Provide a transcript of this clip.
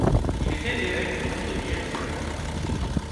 Il était évêque de Mondoñedo-Ferrol.